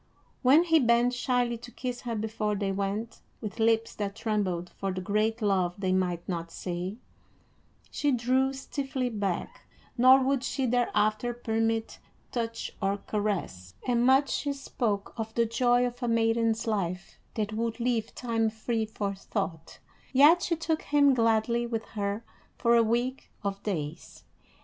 When he bent shyly to kiss her before they went, with lips that trembled for the great love they might not say, she drew stiffly back, nor would she thereafter permit touch or caress, and much she spoke of the joy of a maiden's life that would leave time free for thought; yet she took him gladly with her for a week of days.